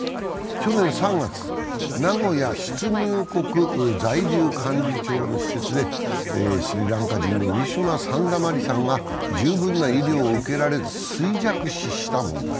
去年３月、名古屋出入国在留管理庁の施設でスリランカ人のウィシュマ・サンダマリさんが十分な医療を受けられず衰弱死した問題。